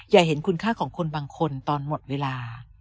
อย่าเห็นคุณค่าของคนบางคนตอนหมดเวลา